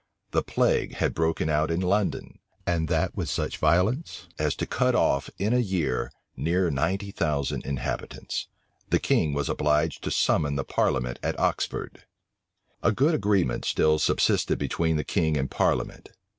The plague had broken out in London; and that with such violence as to cut off, in a year, near ninety thousand inhabitants. The king was obliged to summon the Parliament at Oxford. A good agreement still subsisted between the king and parliament.